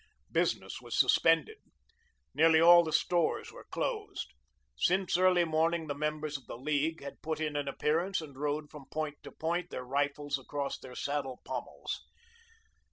Business was suspended; nearly all the stores were closed. Since early morning the members of the League had put in an appearance and rode from point to point, their rifles across their saddle pommels.